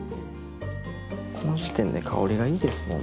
この時点で香りがいいですもう。